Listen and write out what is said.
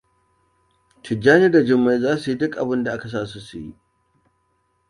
Tijjani da Jummai za su yi duk abinda aka sa su yi.